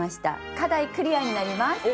課題クリアになります！